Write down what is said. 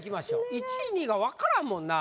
１位２位がわからんもんなぁ。